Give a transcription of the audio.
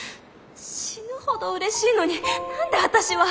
死ぬほどうれしいのに何で私は。